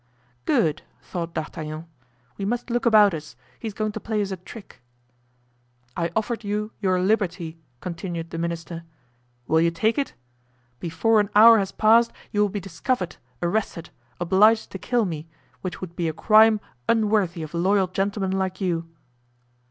"Good," thought D'Artagnan; "we must look about us; he's going to play us a trick." "I offered you your liberty," continued the minister; "will you take it? Before an hour has passed you will be discovered, arrested, obliged to kill me, which would be a crime unworthy of loyal gentlemen like you."